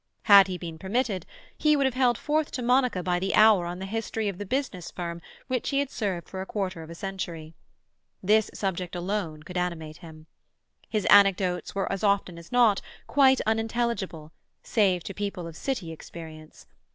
Had he been permitted, he would have held forth to Monica by the hour on the history of the business firm which he had served for a quarter of a century. This subject alone could animate him. His anecdotes were as often as not quite unintelligible, save to people of City experience.